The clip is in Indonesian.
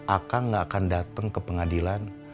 aka gak akan datang ke pengadilan